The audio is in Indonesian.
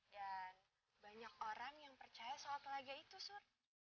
dan banyak orang yang percaya soal pelaga itu sur